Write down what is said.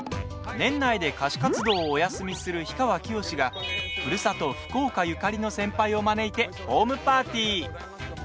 年内で歌手活動をお休みする氷川きよしがふるさと福岡ゆかりの先輩を招いてホームパーティー。